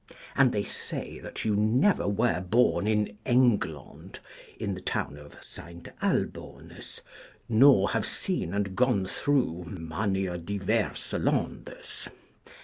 And they say that you never were born in Englond, in the town of Seynt Albones, nor have seen and gone through manye diverse Londes.